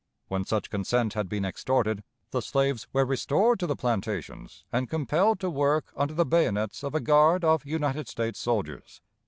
When such consent had been extorted, the slaves were restored to the plantations and compelled to work under the bayonets of a guard of United States soldiers.